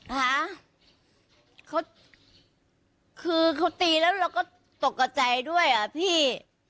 ฮะคือเขาตีแล้วเราก็ตกใจด้วยอะพี่